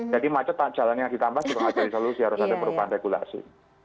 jadi macet jalan yang ditambah juga ada solusi harus ada perubahan regulasi